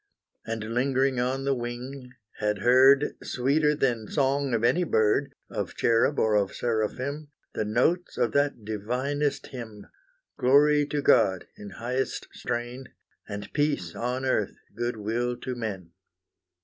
And lingering on the wing, had heard, Sweeter than song of any bird, Of cherub or of seraphim, The notes of that divinest hymn, Glory to God in highest strain, And peace on earth, good will to men.